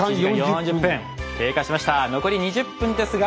残り２０分ですが。